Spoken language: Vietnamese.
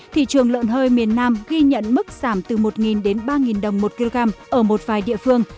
thị trường lợn hơi miền nam ghi nhận mức giảm từ một đến ba đồng một kg ở một vài địa phương